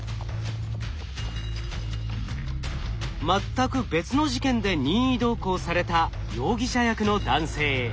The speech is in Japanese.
全く別の事件で任意同行された容疑者役の男性。